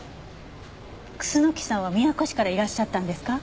楠木さんは宮古市からいらっしゃったんですか？